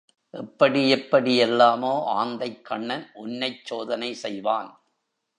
எப்படியெப்படி எல்லாமோ ஆந்தைக்கண்ணன் உன்னைச் சோதனை செய்வான்.